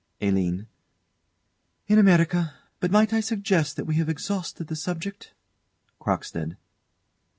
ALINE. In America. But might I suggest that we have exhausted the subject? CROCKSTEAD.